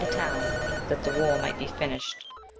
the town, that the war might be finished.